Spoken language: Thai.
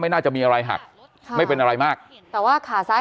น่าจะมีอะไรหักค่ะไม่เป็นอะไรมากแต่ว่าขาซ้าย